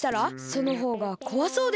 そのほうがこわそうですけど。